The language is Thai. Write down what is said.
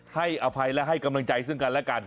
อภัยและให้กำลังใจซึ่งกันและกัน